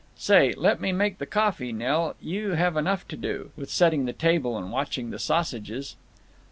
"Say, let me make the coffee, Nell. You'll have enough to do with setting the table and watching the sausages."